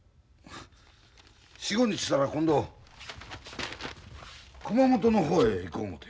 ４５日したら今度熊本の方へ行こう思て。